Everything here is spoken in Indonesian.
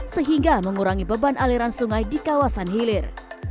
sehingga mengurangi beban aliran sungai di kawasan hilir